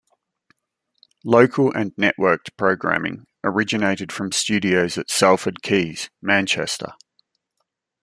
Local and networked programming originated from studios at Salford Quays, Manchester.